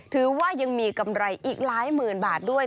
ถือว่ายังมีกำไรอีกหลายหมื่นบาทด้วย